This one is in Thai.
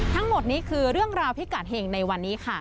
ทั้งหมดนี้คือเรื่องราวพิกัดเห็งในวันนี้ค่ะ